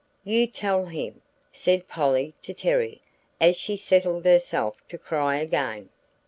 "You tell him," said Polly to Terry, as she settled herself to cry again.